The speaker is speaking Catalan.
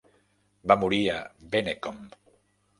Va morir a Bennekom.